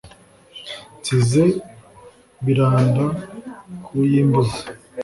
nsize biranda ku y' imbuzi